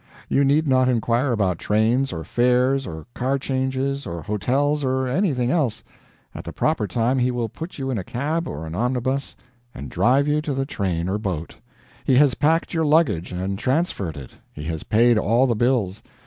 You need not inquire about trains, or fares, or car changes, or hotels, or anything else. At the proper time he will put you in a cab or an omnibus, and drive you to the train or the boat; he has packed your luggage and transferred it, he has paid all the bills.